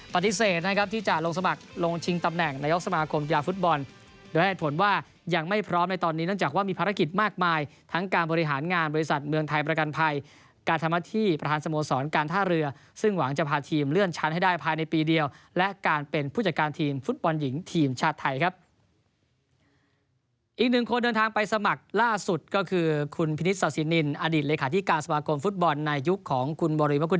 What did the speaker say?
ปฏิเสธนะครับที่จะลงสมัครลงชิงตำแหน่งนายกสมาคมกีฬาฟุตบอลโดยให้เห็นผลว่ายังไม่พร้อมในตอนนี้เนื่องจากว่ามีภารกิจมากมายทั้งการบริหารงานบริษัทเมืองไทยประกันภัยการธรรมที่ประธานสโมสรการท่าเรือซึ่งหวังจะพาทีมเลื่อนชั้นให้ได้ภายในปีเดียวและการเป็นผู้จัดการทีมฟุตบอล